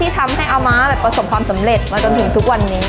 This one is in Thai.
สมความสำเร็จมาจนถึงทุกวันนี้